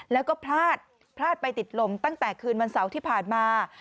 แล้วก็พลาดพลาดไปติดลมตั้งแต่คืนวันเสาร์ที่ผ่านมา